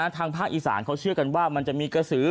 ทางภาคอีสานเขาเชื่อกันว่ามันจะมีกระสือ